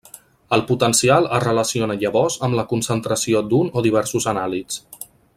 El potencial es relaciona llavors amb la concentració d'un o diversos anàlits.